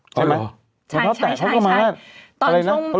ใช่ไหมรองเท้าแตะเขาก็มาแล้ว